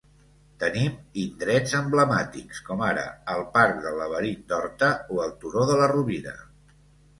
Tenim indrets emblemàtics com ara el parc del Laberint d'Horta o el Turó de la Rovira.